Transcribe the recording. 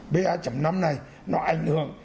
vr năm này nó ảnh hưởng